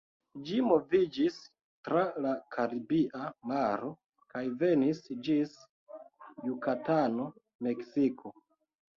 Ĝi moviĝis tra la Karibia Maro, kaj venis ĝis Jukatano, Meksiko.